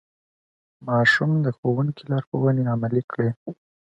ماشوم د ښوونکي لارښوونې عملي کړې